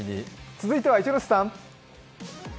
続いては、一ノ瀬さん。